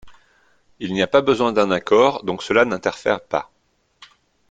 Il n’y a pas besoin d’un accord, donc cela n’interfère pas.